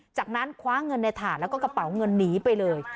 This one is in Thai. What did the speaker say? จากนั้นคว้าเงินในถาดแล้วก็กระเป๋าเงินหนีไปเลย